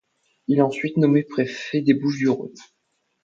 Il est ensuite nommé préfet des Bouches-du-Rhône.